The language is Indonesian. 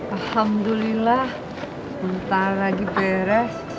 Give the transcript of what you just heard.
alhamdulillah nanti lagi beres